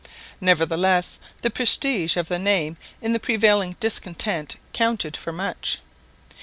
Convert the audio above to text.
Nevertheless the prestige of the name in the prevailing discontent counted for much.